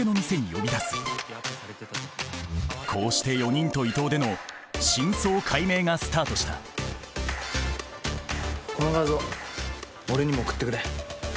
こうして４人と伊藤での真相解明がスタートしたこの画像俺にも送ってくれ。